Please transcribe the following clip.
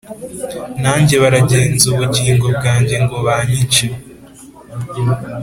nanjye baragenza ubugingo bwanjye ngo banyice”